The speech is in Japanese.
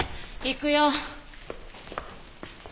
行くよ。